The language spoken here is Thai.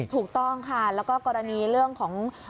ถูกต้องค่ะแล้วก็กรณีเรื่องของ